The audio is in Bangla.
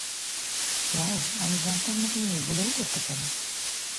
ওয়াও, আমি জানতাম না তুমি এগুলোও করতে পারো!